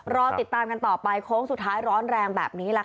รอติดตามกันต่อไปโค้งสุดท้ายร้อนแรงแบบนี้ล่ะค่ะ